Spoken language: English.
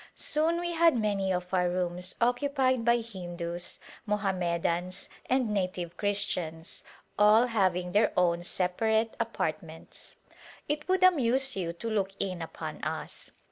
Soon we had many of our rooms occupied by Hindus, Mohammedans and native Christians, all having their own separate apartments. It would amuse you to look in upon us.